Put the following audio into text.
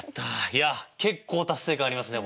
いや結構達成感ありますね